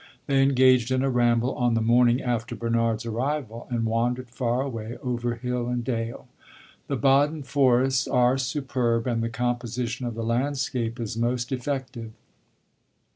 They engaged in a ramble on the morning after Bernard's arrival, and wandered far away, over hill and dale. The Baden forests are superb, and the composition of the landscape is most effective.